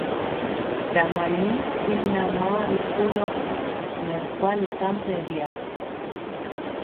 Tama yi i namaa ri ko yɔ, mɛ ri kwali sampɛriya.